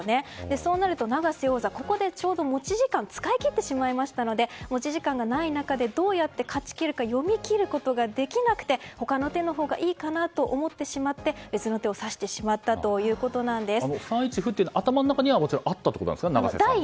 そうなると永瀬王座はここでちょうど持ち時間を使い切ってしまいましたので持ち時間がない中でどうやって勝ち切るか読み切ることができなくて他の手のほうがいいかなと思ってしまって別の手を指してしまった３一歩は頭の中にはあったんですか。